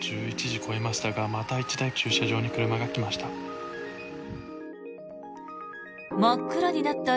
１１時を越えましたがまた１台車が駐車場に来ました。